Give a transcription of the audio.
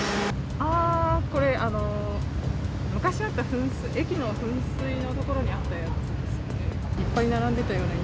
ああ、これ、昔あった駅の噴水の所にあったやつですよね。